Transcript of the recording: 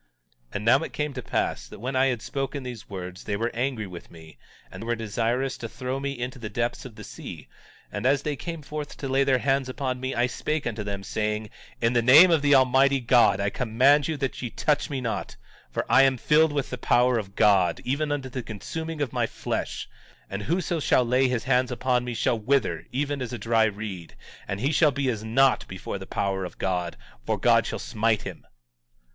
17:48 And now it came to pass that when I had spoken these words, they were angry with me, and were desirous to throw me into the depths of the sea; and as they came forth to lay their hands upon me I spake unto them, saying: In the name of the Almighty God, I command you that ye touch me not, for I am filled with the power of God, even unto the consuming of my flesh; and whoso shall lay his hands upon me shall wither even as a dried reed; and he shall be as naught before the power of God, for God shall smite him.